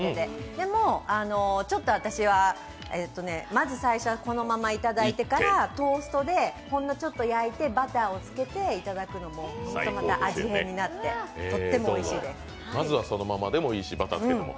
でも、私はまず最初はこのままいただいてから、トーストでほんのちょっと焼いてバターをつけていただくのも、ホントまた味変になってとってもおいしいですまずはそのままでもいいしバターつけても。